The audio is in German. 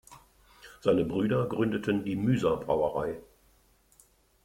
Seine Brüder gründeten die Müser-Brauerei.